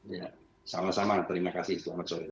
ya sama sama terima kasih